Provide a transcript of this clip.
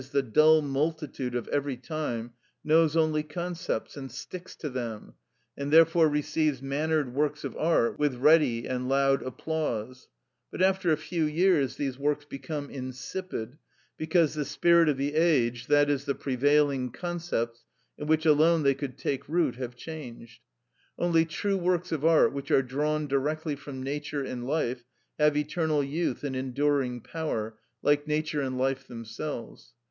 _, the dull multitude of every time, knows only concepts, and sticks to them, and therefore receives mannered works of art with ready and loud applause: but after a few years these works become insipid, because the spirit of the age, i.e., the prevailing concepts, in which alone they could take root, have changed. Only true works of art, which are drawn directly from nature and life, have eternal youth and enduring power, like nature and life themselves.